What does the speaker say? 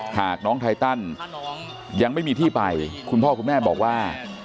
หากน้องไทตันยังไม่มีที่ไปคุณพ่อคุณแม่บอกว่า